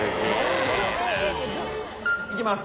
いきます。